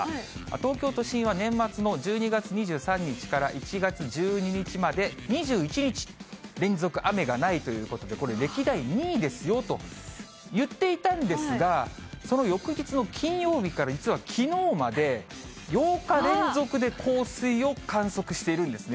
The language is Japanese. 東京都心は年末の１２月２３日から１月１２日まで２１日、連続雨がないということで、これ、歴代２位ですよと言っていたんですが、その翌日の金曜日から、実はきのうまで８日連続で降水を観測しているんですね。